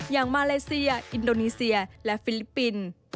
มาเลเซียอินโดนีเซียและฟิลิปปินส์